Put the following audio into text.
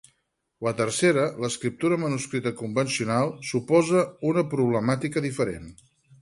La tercera, l'escriptura manuscrita convencional, suposa una problemàtica diferent.